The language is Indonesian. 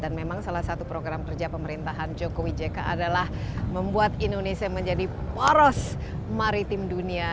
dan memang salah satu program kerja pemerintahan joko widjeka adalah membuat indonesia menjadi poros maritim dunia